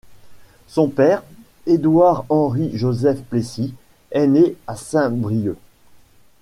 Son père, Édouard-Henri-Joseph Plessis, est né à Saint-Brieuc.